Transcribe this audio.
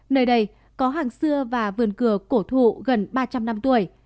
nơi đây có hàng xưa và vườn cửa cổ thụ gần ba trăm linh năm tuổi